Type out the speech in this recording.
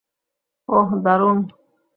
ওহ, দারুণ!